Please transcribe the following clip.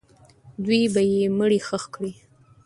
دوی به یې مړی ښخ کړي.